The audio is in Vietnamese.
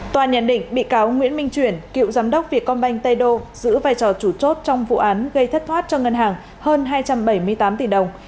tòa nhận định bị cáo nguyễn minh chuyển cựu giám đốc vietcombank tây đô giữ vai trò chủ chốt trong vụ án gây thất thoát cho ngân hàng hơn hai trăm bảy mươi tám tỷ đồng